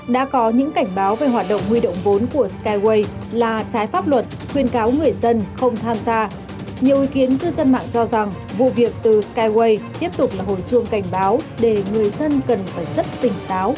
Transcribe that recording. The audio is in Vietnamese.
đã có những bài học đau xót xảy ra thì hàng nghìn người dân rơi vào cảnh trắng tay khi đầu tư vào các sản tiền ảo